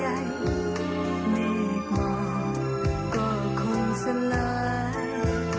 เมฆหมอก็คุ้นสลาย